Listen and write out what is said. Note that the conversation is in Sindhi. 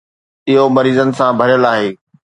اهو مريضن سان ڀريل آهي.